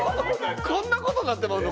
こんな事になってまうの？